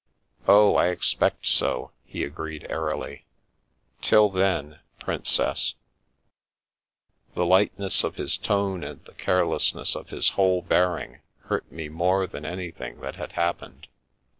" Oh, I expect so !" he agreed airily. " Till then, prin cess !" The lightness of his tone and the carelessness of his whole bearing hurt me more than anything that had happened.